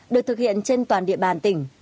được thực hiện trên toàn địa bàn tỉnh